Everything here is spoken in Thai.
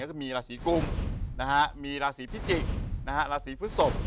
แล้วก็มีราศีกุมมีราศีพิจิกษ์ราศีพฤศพ